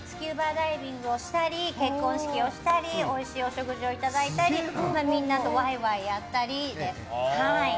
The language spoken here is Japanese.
ダイビングをしたり結婚式をしたりおいしいお食事をいただいたりみんなとワイワイやったりで。